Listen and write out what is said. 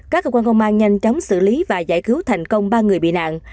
các cơ quan công an nhanh chóng xử lý và giải cứu thành công ba người bị nạn